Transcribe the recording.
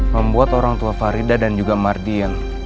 membuat orang tua farida dan juga mardian